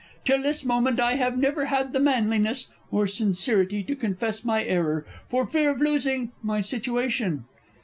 Till this moment I have never had the manliness or sincerity to confess my error, for fear of losing my situation.